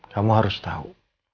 kamu harus tau